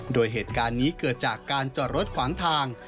โดยเหตุการณ์นี้เกิดจากการจอดรถขวางทาง